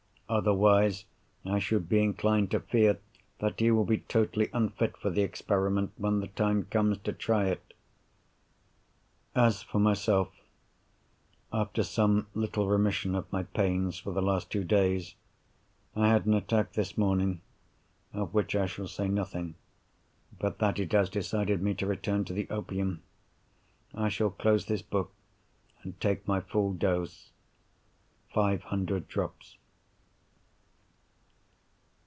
Otherwise, I should be inclined to fear that he will be totally unfit for the experiment when the time comes to try it. As for myself, after some little remission of my pains for the last two days I had an attack this morning, of which I shall say nothing but that it has decided me to return to the opium. I shall close this book, and take my full dose—five hundred drops.